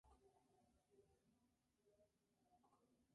La fruta es morada con las semillas negras y son comestibles.